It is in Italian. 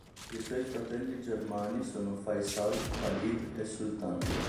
I suoi fratelli germani sono Faysal, Khalid e Sultan.